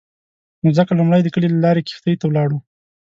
نو ځکه لومړی د کلي له لارې کښتۍ ته ولاړو.